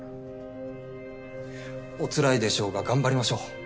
おつらいでしょうが頑張りましょう。